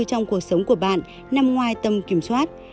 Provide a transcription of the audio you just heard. trong cuộc sống của bạn nằm ngoài tầm kiểm soát